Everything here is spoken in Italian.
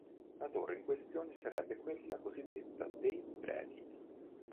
La torre in questione sarebbe quella cosiddetta "de' Preti".